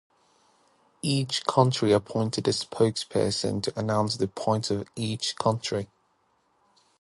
Each country appointed a spokesperson to announce the points of each country.